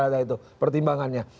ada itu pertimbangannya